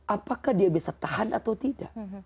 apakah dia bisa tahan atau tidak